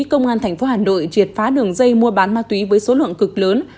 công an thành phố hà nội triệt phá đường dây mua bán ma túy với số lượng cực lớn